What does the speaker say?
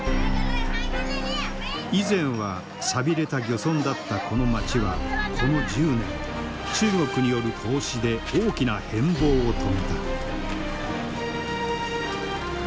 以前は寂れた漁村だったこの街はこの１０年中国による投資で大きな変貌を遂げた。